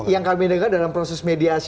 yang kami dengar dalam proses mediasi